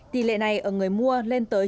tỷ lệ này ở người mua lên tới chín mươi năm